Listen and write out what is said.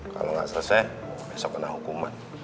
kalau nggak selesai besok kena hukuman